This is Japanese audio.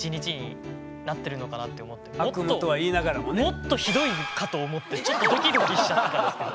もっとヒドイかと思ってちょっとドキドキしちゃってたんですけど。